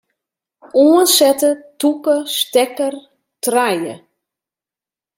Oansette tûke stekker trije.